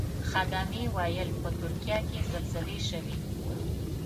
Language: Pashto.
خدمې ویل په ترکیه کې زلزلې شوې.